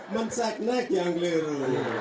mengseknek yang keliru